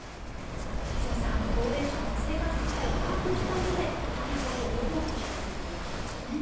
瀬尾さん、高齢者の生活実態を把握したうえで犯行に及ぼうとしているということですね。